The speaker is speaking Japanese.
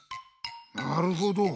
なるほど。